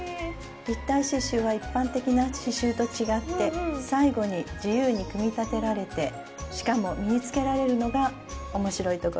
立体刺しゅうは一般的な刺しゅうと違って最後に自由に組み立てられてしかも身につけられるのがおもしろいところです。